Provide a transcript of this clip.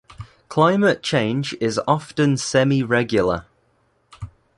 Climate change is often semi-regular.